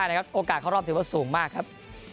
ว่าสูงมากครับ